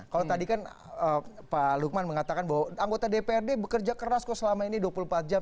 kalau tadi kan pak lukman mengatakan bahwa anggota dprd bekerja keras kok selama ini dua puluh empat jam